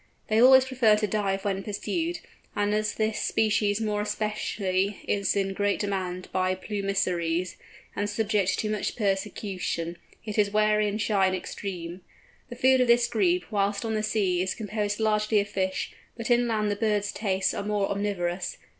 They always prefer to dive when pursued; and as this species more especially is in great demand by plumasiers, and subject to much persecution, it is wary and shy in extreme. The food of this Grebe whilst on the sea is composed largely of fish, but inland the bird's tastes are more omnivorous.